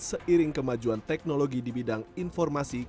seiring kemajuan teknologi di bidang informasi